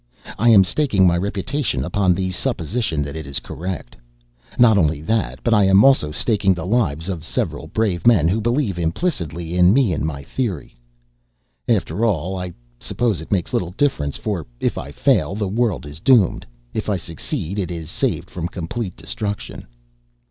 I am staking my reputation upon the supposition that it is correct. Not only that, but I am also staking the lives of several brave men who believe implicitly in me and my theory. After all, I suppose it makes little difference, for if I fail the world is doomed, if I succeed it is saved from complete destruction.